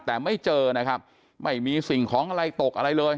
แต่ไม่เจอนะครับไม่มีสิ่งของอะไรตกอะไรเลย